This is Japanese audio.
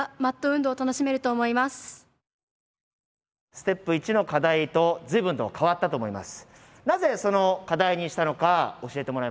ステップ１の課題と随分と変わったと思います。